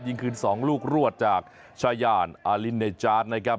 ยิงคืน๒ลูกรวดจากชายานอาลินเนจาร์ดนะครับ